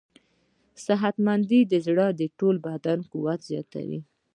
صحتمند زړه د ټول بدن قوت زیاتوي.